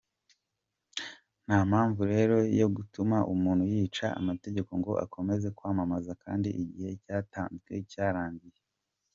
Ntampamvu rero yatuma umuntu yica amategeko ngo akomeze kwamamaza kandi igihe cyatanzwe cyarangiye.